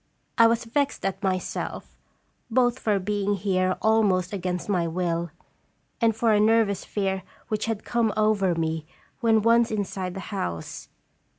I was vexed at myself, both for being here almost against my will, and for a nervous fear which had come over me when once inside the house.